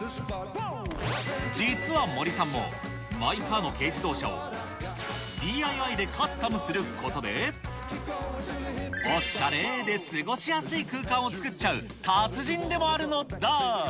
実は森さんも、マイカーの軽自動車をＤＩＹでカスタムすることで、おっしゃれーで過ごしやすい空間を作っちゃう達人でもあるのだ。